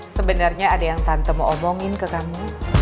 sebenarnya ada yang tante mau omongin ke kamu